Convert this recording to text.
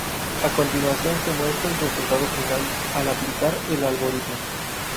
A continuación se muestra el resultado final al aplicar el algoritmo.